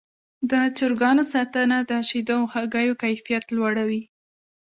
د چرګانو ساتنه د شیدو او هګیو کیفیت لوړوي.